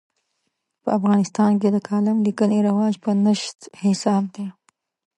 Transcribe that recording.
په افغانستان کې د کالم لیکنې رواج په نشت حساب دی.